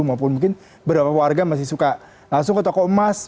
maupun mungkin beberapa warga masih suka langsung ke toko emas